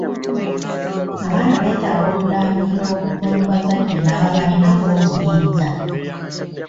Abaana beetaaga okulambikibwa okuva mu bazadde n'ababalinako obuyinza.